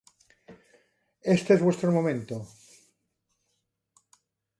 Este es vuestro momento".